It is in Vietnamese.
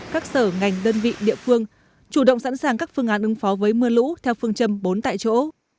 các sở ngành đơn vị địa phương chủ động sẵn sàng các phương án ứng phó với mưa lũ theo phương châm bốn tại chỗ